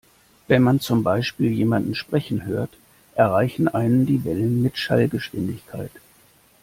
Wenn man zum Beispiel jemanden sprechen hört, erreichen einen die Wellen mit Schallgeschwindigkeit.